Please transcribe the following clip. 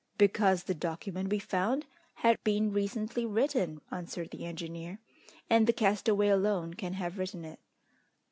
"Because the document we found had been recently written," answered the engineer, "and the castaway alone can have written it."